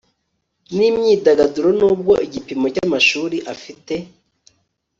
n imyidagaduro nubwo igipimo cy amashuri afite